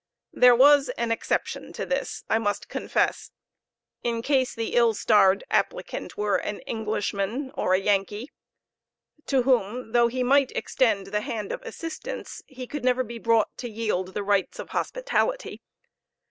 There was an exception to this, I must confess, in case the ill starred applicant were an Englishman or a Yankee; to whom, though he might extend the hand of assistance, he could never be brought to yield the rites of hospitality.